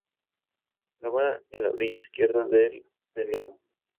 Estaba en la orilla izquierda del Peneo.